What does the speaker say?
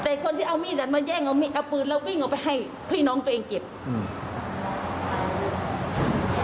แต่คนที่เอามีดอ่ะมาแย่งเอามีดเอาปืนแล้ววิ่งออกไปให้พี่น้องตัวเองเก็บอืม